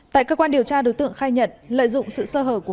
tại cơ quan điều tra đối tượng khai nhận lợi dụng sự sơ hở của